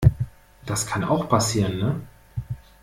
Das kann auch passieren, ne?